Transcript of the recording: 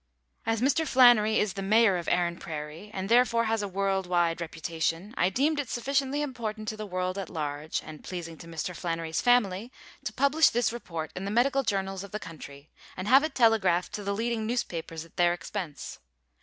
As Mr. Flannery is the mayor of Erin Prairie, and therefore has a world wide reputation, I deemed it sufficiently important to the world at large, and pleasing to Mr. Flannery's family, to publish this report in the medical journals of the country, and have it telegraphed to the leading newspapers at their expense.